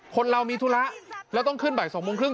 คนเรามีธุระแล้วต้องขึ้นบ่าย๒โมงครึ่ง